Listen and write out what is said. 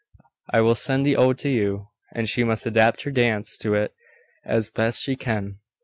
I will send the ode to you, and she must adapt her dance to it as best she can.